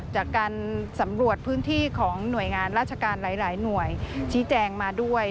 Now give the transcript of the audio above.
จากการสำรวจพื้นที่ของหน่วยงานราชการหลายหน่วยชี้แจงมาด้วย